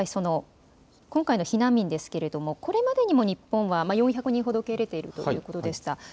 今回の避難民ですけれどもこれまでにも日本には４００人ほど受け入れているということでした。